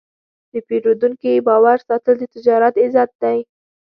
د پیرودونکي باور ساتل د تجارت عزت دی.